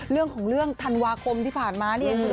เรื่องของเรื่องธันวาคมที่ผ่านมานี่เอง